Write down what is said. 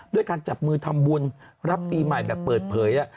ด้วยการจับมือทำบุญรับปีใหม่แบบเปิดเผย